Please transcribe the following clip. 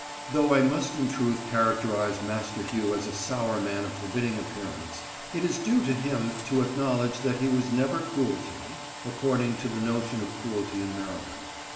Though I must in truth characterize Master Hugh as a sour man of forbidding appearance, it is due to him to acknowledge that he was never cruel to me, according to the notion of cruelty in Maryland.